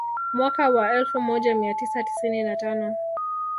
Mwaka wa elfu moja mia tisa tisini na tano